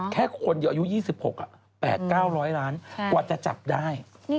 แค่คนอายุ๒๖อะ๘๙๐๐ล้านกว่าจะจับได้๓ปี